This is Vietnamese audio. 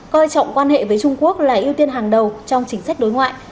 coi trọng quan hệ với trung quốc là ưu tiên hàng đầu trong chính sách đối ngoại